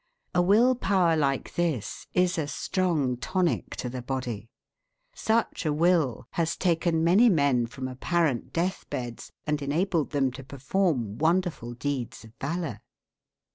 A will power like this is a strong tonic to the body. Such a will has taken many men from apparent death beds, and enabled them to perform wonderful deeds of valor.